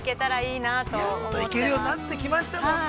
◆やっと行けるようになってきましたもんね。